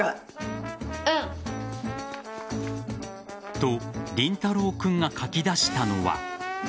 と、凛太郎君が書き出したのは。